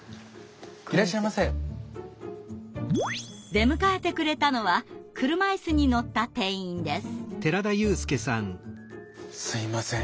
出迎えてくれたのは車いすに乗った店員です。